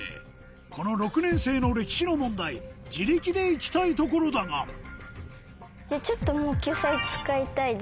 この６年生の歴史の問題自力でいきたいところだがちょっともう救済使いたいです。